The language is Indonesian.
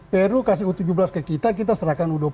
peru kasih u tujuh belas ke kita kita serahkan u dua puluh